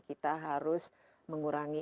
kita harus mengurangi